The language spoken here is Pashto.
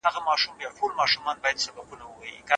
ایا بهرني سوداګر وچ زردالو پروسس کوي؟